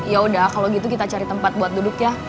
ya udah kalau gitu kita cari tempat buat duduk ya